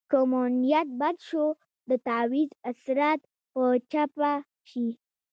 که مو نیت بد شو د تعویض اثرات به چپه شي.